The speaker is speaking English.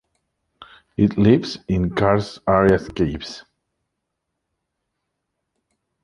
It lives in karst areas caves.